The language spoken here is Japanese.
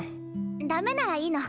ダメならいいの。